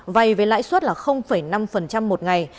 vay với lãi suất năm một ngày